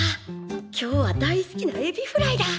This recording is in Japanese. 今日は大好きなエビフライだ！